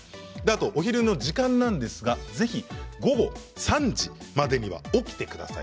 お昼寝の時間なんですがぜひ午後３時までには起きてください。